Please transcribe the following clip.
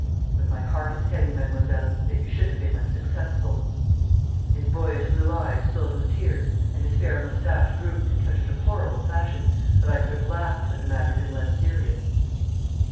But my heart is heavy, mademoiselle, that you should have been unsuccessful.' His boyish blue eyes filled with tears and his fair moustache drooped in such a deplorable fashion, that I could have laughed had the matter been less serious.